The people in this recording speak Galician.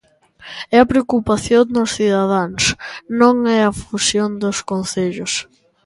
E a preocupación dos cidadáns non é a fusión dos concellos.